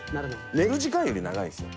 寝る時間より長いんですよ。